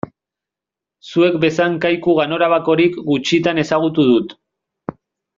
Zuek bezain kaiku ganorabakorik gutxitan ezagutu dut.